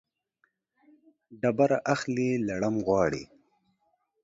ډبره اخلي ، لړم غواړي.